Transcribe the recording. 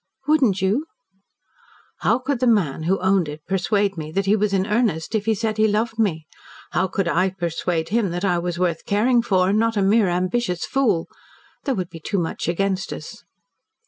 "Wouldn't you?" "How could the man who owned it persuade me that he was in earnest if he said he loved me? How could I persuade him that I was worth caring for and not a mere ambitious fool? There would be too much against us."